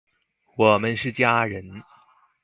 我们是家人！